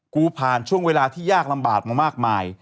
ผ่านช่วงเวลาที่ยากลำบากมามากมาย